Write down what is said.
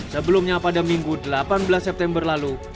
sebelumnya pada minggu delapan belas september lalu